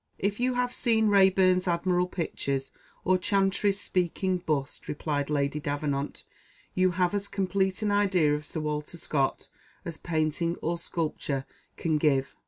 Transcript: "If you have seen Raeburn's admirable pictures, or Chantrey's speaking bust," replied Lady Davenant, "you have as complete an idea of Sir Walter Scott as painting or sculpture can give.